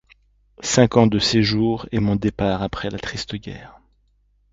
Cinq ans de séjour et mon départ après la triste guerre.